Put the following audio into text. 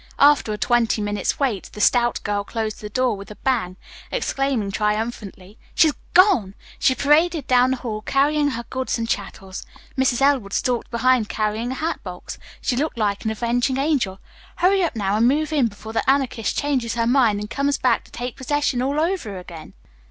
After a twenty minutes' wait, the stout girl closed the door with a bang, exclaiming triumphantly: "She's gone! She just paraded down the hall carrying her goods and chattels. Mrs. Elwood stalked behind carrying a hat box. She looked like an avenging angel. Hurry up, now, and move in before the Anarchist changes her mind and comes back to take possession all over again."